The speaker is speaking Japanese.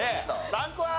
ランクは？